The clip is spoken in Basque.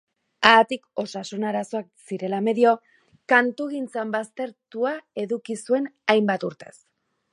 Haatik, osasun arazoak zirela medio, kantugintza baztertua eduki zuen hainbat urtez.